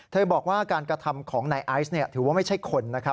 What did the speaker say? บอกว่าการกระทำของนายไอซ์ถือว่าไม่ใช่คนนะครับ